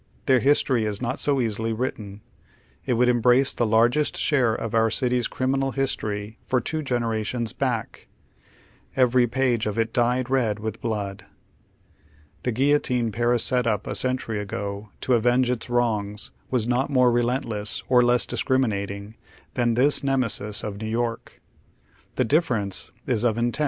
Their his tory is not so easily written. It would embrace the larg est share of our city's criminal history for two genera tions back, every page of it dyed red with blood. The guillotine Paris set up a century ago to avenge its wrongs was not more relentless, or less discriminating, than this ^Nemesis of New York. The difference is of intent.